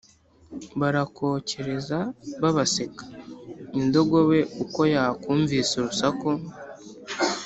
barakokereza babaseka. indogobe uko yakumvise urusaku,